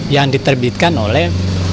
yang diterbitkan oleh